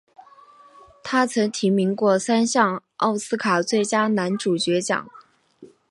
他曾提名过三项奥斯卡最佳男主角奖。